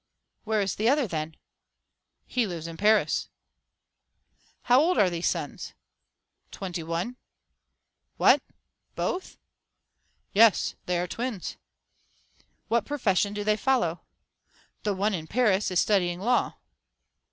"Where is the other, then?" "He lives in Paris." "How old are these sons?" "Twenty one." "What, both?" "Yes, they are twins." "What professions do they follow?" "The one in Paris is studying law."